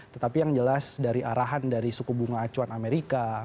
tetapi yang jelas dari arahan dari suku bunga acuan amerika